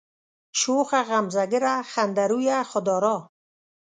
شوخه غمزه گره، خنده رویه، خود آرا